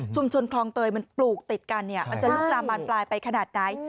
ชุมชนคลองเตยมันปลูกติดกันเนี่ยมันจะลึกลามบานปลายไปขนาดไหน